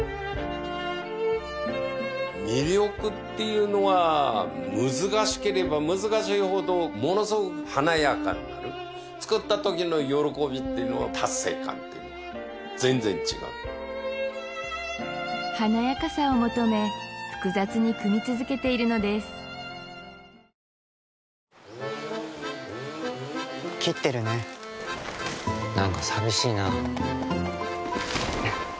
魅力っていうのは難しければ難しいほどものすごく華やかになる作ったときの喜びっていうのは達成感っていうのがある全然違う華やかさを求め複雑に組み続けているのです待ってました！